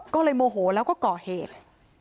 ก็เลยโมโหแล้วก็ก่อเหตุ